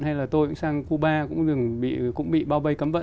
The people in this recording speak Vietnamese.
hay là tôi cũng sang cuba cũng đừng bị bao vây cấm vận